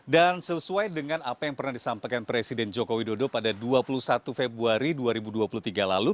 dan sesuai dengan apa yang pernah disampaikan presiden joko widodo pada dua puluh satu februari dua ribu dua puluh tiga lalu